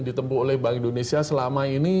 ditempuh oleh bank indonesia selama ini